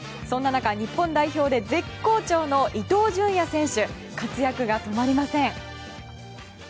そんな中、日本代表で絶好調の伊東純也選手活躍が止まりません。